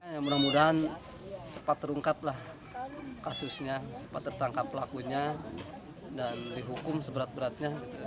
yang mudah mudahan cepat terungkap lah kasusnya cepat tertangkap pelakunya dan dihukum seberat beratnya